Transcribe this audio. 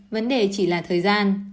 vấn đề chỉ là thời gian